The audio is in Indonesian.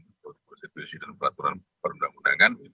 untuk institusi dan peraturan perundang undangan